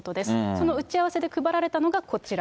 その打ち合わせで配られたのがこちら。